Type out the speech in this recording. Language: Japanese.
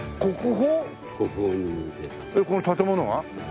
えっこの建物が？